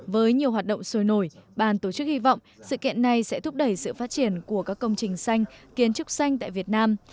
với nhiều hoạt động sôi nổi bàn tổ chức hy vọng sự kiện này sẽ thúc đẩy sự phát triển của các công trình xanh kiến trúc xanh tại việt nam